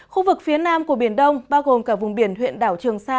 khu vực phía nam của biển đông bao gồm cả vùng biển huyện đảo trường sa